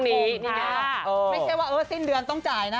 ไม่ใช่ว่าสิ้นเดือนต้องจ่ายนะ